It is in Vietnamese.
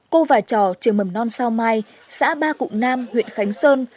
cô và trò trường mầm non sao mai xã ba cụm nam huyện khánh sơn